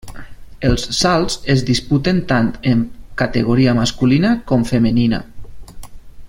Els salts es disputen tant en categoria masculina com femenina.